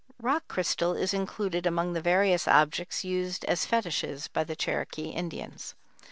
Rock crystal is included among the various objects used as fetiches by the Cherokee Indians.